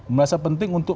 merasa penting untuk